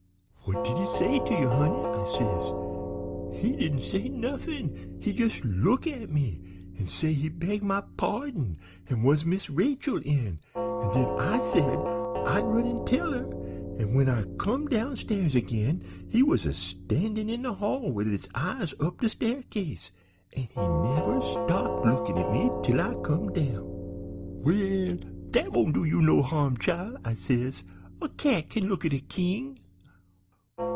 "'What did he say to ye, honey?' I says. "'He didn't say nuffin; he jes' look at me an' say he beg my pardon, an' was Miss Rachel in, an' den I said I'd run an' tell her, an' when I come downstairs agin he was a standin' in de hall wid his eyes up de staircase, an' he never stopped lookin' at me till I come down.' "'Well, dat won't do you no harm, chile,' I says; 'a cat kin look at a king.'